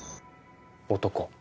男？